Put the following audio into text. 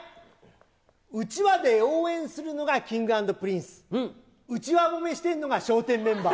うちわで応援するのがＫｉｎｇ＆Ｐｒｉｎｃｅ、内輪もめしてるのが笑点メンバー。